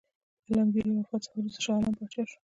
عالمګیر له وفات څخه وروسته شاه عالم پاچا شو.